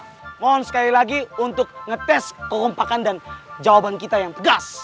mohon sekali lagi untuk ngetes keompakan dan jawaban kita yang tegas